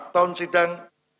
lima tahun sidang